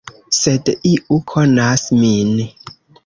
Sed iu konas min.